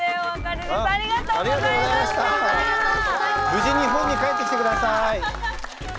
無事日本に帰ってきて下さい。